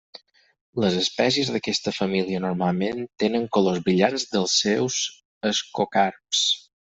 Les espècies d'aquesta família normalment tenen colors brillants dels seus ascocarps.